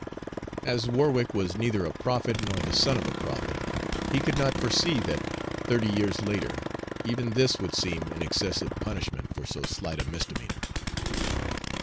As Warwick was neither a prophet nor the son of a prophet, he could not foresee that, thirty years later, even this would seem an excessive punishment for so slight a misdemeanor.